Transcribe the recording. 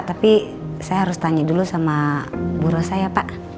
tapi saya harus tanya dulu sama buro saya pak